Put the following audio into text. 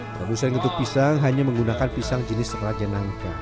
perusahaan getuk pisang hanya menggunakan pisang jenis rajenangka